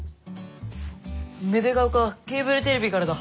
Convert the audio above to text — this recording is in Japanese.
芽出ヶ丘ケーブルテレビからだ。